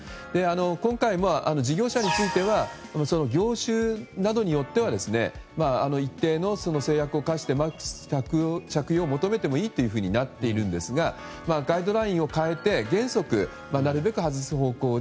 今回、事業者については業種などによって一定の制約を課して着用を求めてもいいとなっているんですがガイドラインを変えて原則、なるべく外す方向で。